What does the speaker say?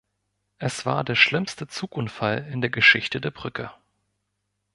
Es war der schlimmste Zugunfall in der Geschichte der Brücke.